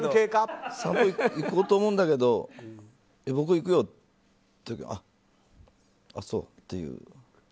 散歩行こうと思うんだけど僕が行くよっていうからあっそうっていう。